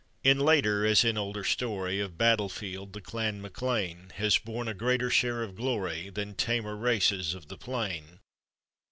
In later, as in older story Of battle Held, the Clan MacLean Has borne a greater share of glory Than tamer races of the plain.